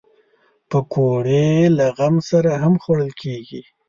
پکورې له غم سره هم خوړل کېږي